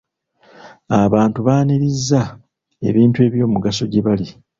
Abantu baaniriza ebintu eby'omugaso gye bali.